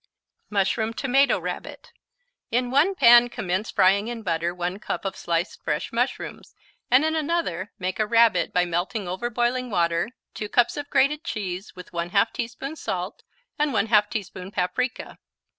Mushroom Tomato Rabbit In one pan commence frying in butter 1 cup of sliced fresh mushrooms, and in another make a Rabbit by melting over boiling water 2 cups of grated cheese with 1/2 teaspoon salt and 1/2 teaspoon paprika.